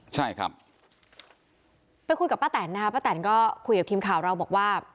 ใช่ครับไปคุยกับป้าแตนนะคะป้าแตนก็คุยกับทีมข่าวเราบอกว่า